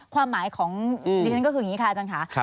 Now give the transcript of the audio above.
ความหมายของดิฉันก็คืออย่างนี้ค่ะอาจารย์ค่ะ